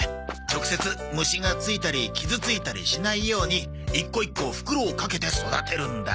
直接虫がついたり傷ついたりしないように１個１個袋をかけて育てるんだ。